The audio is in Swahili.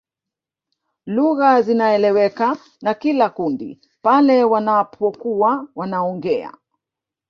Lugha zinaeleweka na kila kundi pale wanapokuwa wanaongea